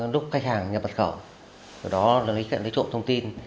nút khách hàng nhập mật khẩu rồi đó lấy trộm thông tin